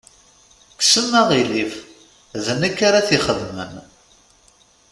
Kksem aɣilif, d nekk ara t-ixedmen.